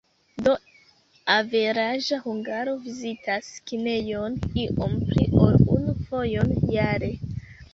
Do, averaĝa hungaro vizitas kinejon iom pli ol unu fojon jare.